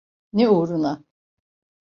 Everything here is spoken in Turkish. Ne uğruna?